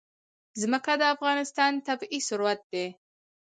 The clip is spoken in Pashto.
ځمکه د افغانستان طبعي ثروت دی.